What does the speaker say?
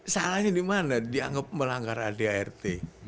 salahnya dimana dianggap melanggar adart